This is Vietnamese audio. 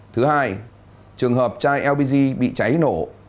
thứ hai trường hợp chai lpg bị cháy nổ